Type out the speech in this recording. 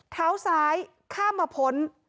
เท้าซ้ายข้ามมาพ้น